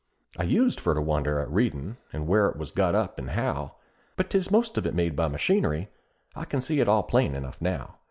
I used for to wonder at readin' and where it was got up, and how; But 'tis most of it made by machinery I can see it all plain enough now.